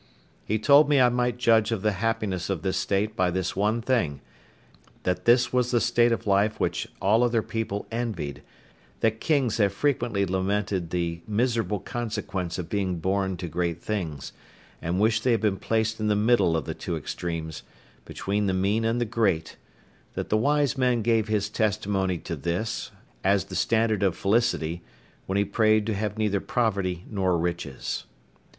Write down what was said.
He told me I might judge of the happiness of this state by this one thing—viz. that this was the state of life which all other people envied; that kings have frequently lamented the miserable consequence of being born to great things, and wished they had been placed in the middle of the two extremes, between the mean and the great; that the wise man gave his testimony to this, as the standard of felicity, when he prayed to have neither poverty nor riches.